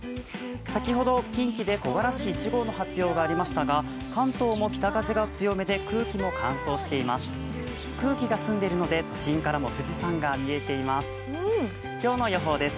先ほど近畿で木枯らし１号の発表がありましたが関東も北風が強めで空気も乾燥しています。